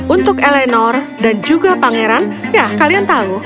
untuk elenor dan juga pangeran ya kalian tahu